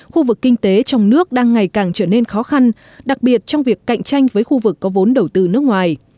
khu vực kinh tế trong nước đang ngày càng trở nên khó khăn đặc biệt trong việc cạnh tranh với khu vực có vốn đầu tư nước ngoài